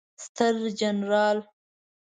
ستر جنرال